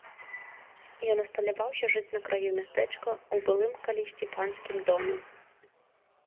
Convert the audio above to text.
Ён асталяваўся жыць на краю мястэчка ў былым калісьці панскім доме.